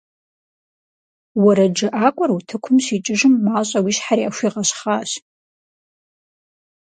УэрэджыӀакӀуэр утыкум щикӏыжым, мащӀэу и щхьэр яхуигъэщхъащ.